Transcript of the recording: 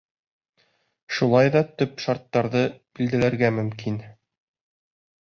Шулай ҙа төп шарттарҙы билдәләргә мөмкин.